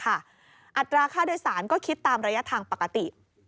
อัตราค่าโดยสารก็คิดตามระยะทางปกติ